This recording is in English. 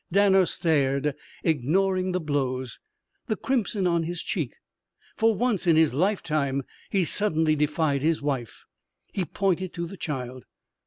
Danner stared, ignoring the blows, the crimson on his cheek. For once in his lifetime, he suddenly defied his wife. He pointed to the child.